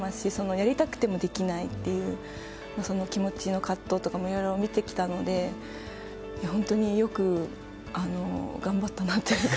やりたくてもできないという気持ちの葛藤とかもいろいろ見てきたので本当によく頑張ったなというか。